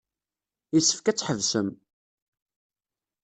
Yessefk ad t-tḥebsem.